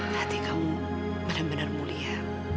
hati kamu benar benar mulia